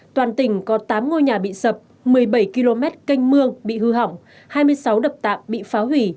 toàn tỉnh có tám ngôi nhà bị sập một mươi bảy km canh mương bị hư hỏng hai mươi sáu đập tạm bị phá hủy